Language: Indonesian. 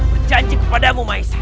berjanji kepadamu maisan